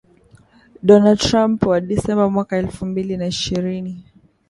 Donald Trump wa Disemba mwaka elfu mbili na ishirini